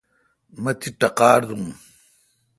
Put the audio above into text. مہ تی ٹقار دوں۔